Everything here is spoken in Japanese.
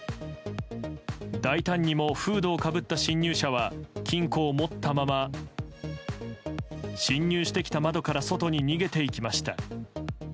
大胆にもフードをかぶった侵入者は金庫を持ったまま侵入してきた窓から外に逃げていきました。